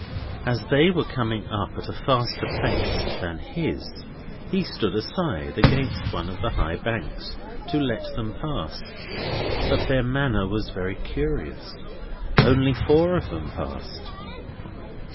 As they were coming up at a faster pace than his, he stood aside, against one of the high banks, to let them pass. But their manner was very curious. Only four of them passed.